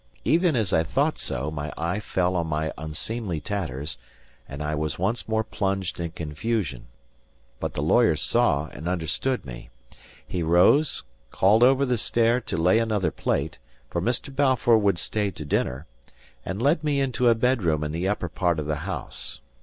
Even as I thought so, my eye fell on my unseemly tatters, and I was once more plunged in confusion. But the lawyer saw and understood me. He rose, called over the stair to lay another plate, for Mr. Balfour would stay to dinner, and led me into a bedroom in the upper part of the house.